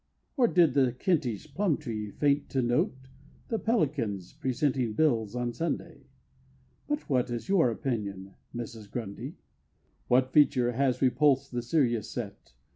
Or did the Kentish Plumtree faint to note The Pelicans presenting bills on Sunday? But what is your opinion, Mrs. Grundy? What feature has repulsed the serious set?